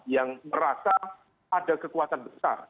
yang merasa ada kekuatan besar